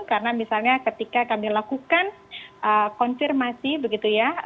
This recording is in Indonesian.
karena misalnya ketika kami lakukan konfirmasi begitu ya